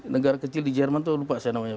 negara kecil di jerman tuh lupa saya namanya